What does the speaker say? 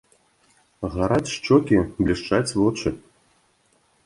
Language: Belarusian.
Гараць шчокі, блішчаць вочы.